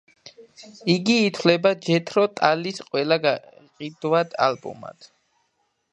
იგი ითვლება ჯეთრო ტალის ყველა გაყიდვად ალბომად.